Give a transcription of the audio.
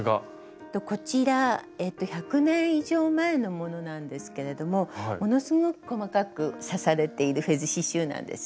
こちら１００年以上前のものなんですけれどもものすごく細かく刺されているフェズ刺しゅうなんですね。